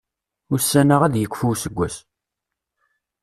Ussan-a ad yekfu useggas.